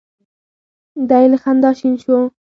دی له خندا شین شو.